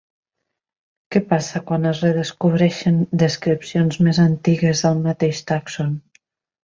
Què passa quan es redescobreixen descripcions més antigues del mateix tàxon?